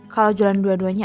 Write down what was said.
kalau jalan dua duanya